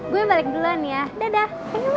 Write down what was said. gue balik duluan ya dadah